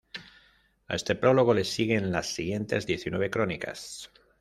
A este prólogo le siguen las siguientes diecinueve crónicas.